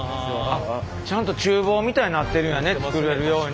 あっちゃんとちゅう房みたいになってるんやね作れるように。